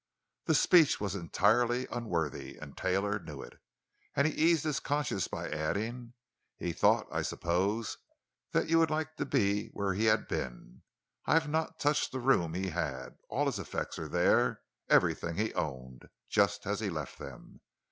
The speech was entirely unworthy, and Taylor knew it, and he eased his conscience by adding: "He thought, I suppose, that you would like to be where he had been. I've not touched the room he had. All his effects are there—everything he owned, just as he left them.